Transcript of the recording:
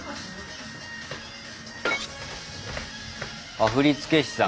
あっ振付師さん。